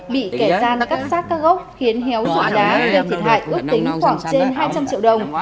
bị kẻ gian cắt sát các gốc khiến héo rủi lá gây thiệt hại ước tính khoảng trên hai trăm linh triệu đồng